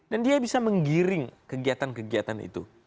dan dia bisa menggiring kegiatan kegiatan itu